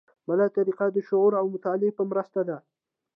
بله طریقه د شعور او مطالعې په مرسته ده.